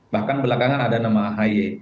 bahkan belakangan ada nama ahy